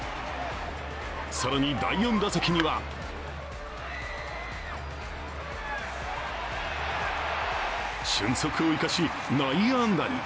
更に、第４打席には俊足を生かし内野安打に。